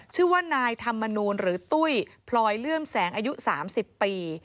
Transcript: ชื่อว่านายธรรมนูลหรือตุ้ยพลอยเลื่อมแสงอายุ๓๐ปี